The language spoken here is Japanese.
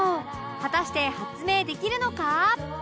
果たして発明できるのか？